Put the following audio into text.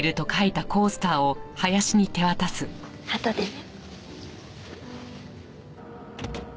あとでね。